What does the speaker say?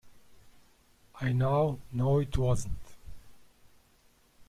I now know it wasn't.